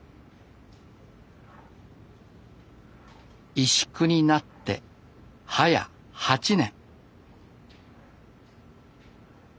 石工になってはや８年。